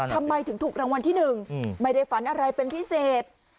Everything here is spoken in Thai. ทำไมถึงถูกรางวัลที่๑ไม่ได้ฝันอะไรเป็นพิเศษ